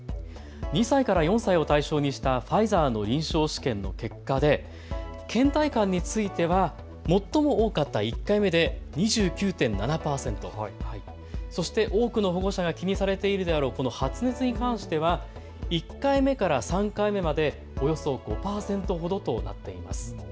２歳から４歳を対象にしたファイザーの臨床試験の結果でけん怠感については最も多かった１回目で２９．７％、そして多くの保護者が気にされているであろう発熱に関しては１回目から３回目までおよそ５％ほどとなっています。